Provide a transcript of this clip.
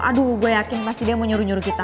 aduh gue yakin pasti dia mau nyuruh nyuruh kita